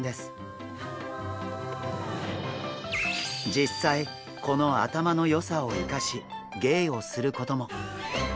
実際この頭の良さを生かし芸をすることも！